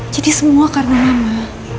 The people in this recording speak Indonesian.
jadi semua karena mama